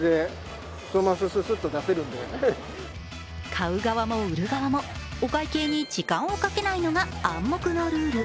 買う側も売る側もお会計に時間をかけないのが暗黙のルール。